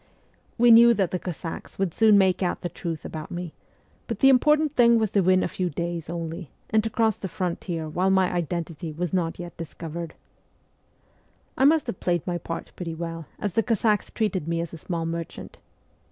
We knew that the Cossacks would soon make out the truth about me, but the important thing was to win a few days only, and to cross the frontier while my identity was not yet discovered. I must have played my part pretty well, as the Cossacks treated me as a small merchant.